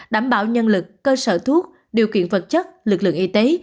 đảm bảo nhân lực cơ sở thuốc điều kiện vật chất lực lượng y tế